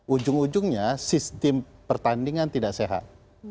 ujung ujungnya sistem pertandingan tidak sehat